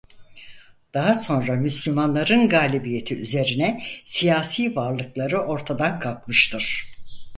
Daha sonra Müslümanların galibiyeti üzerine siyasi varlıkları ortadan kalkmıştır.